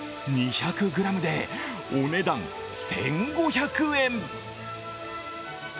２００ｇでお値段１５００円。